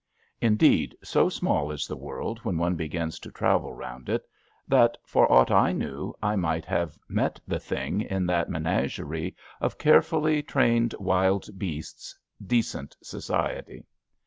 Indeed, so small is the world when one begins to travel round it, that, for aught I knew, I might even have met the Thing in that menagerie of care fully trained wild beasts, Decent Society.